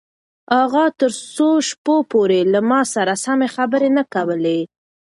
اغا تر څو شپو پورې له ما سره سمې خبرې نه کولې.